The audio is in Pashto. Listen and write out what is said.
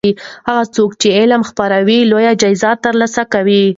هغه څوک چې علم خپروي لویه جایزه ترلاسه کوي.